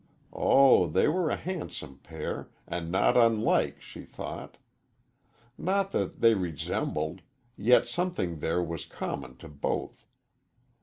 Oh, they were a handsome pair and not unlike, she thought. Not that they resembled, yet something there was common to both.